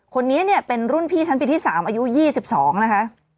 คนนี้เนี่ยเป็นรุ่นพี่ชั้นปีที่๓อายุ๒๒นะคะ